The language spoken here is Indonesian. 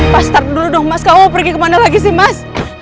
pastar dulu dong mas kamu mau pergi kemana lagi sih mas